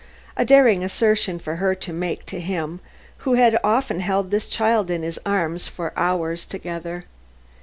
A daring assertion for her to make to him who had often held this child in his arms for hours together.